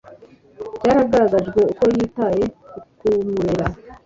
byaragaragajwe uko yitaye ku kumurera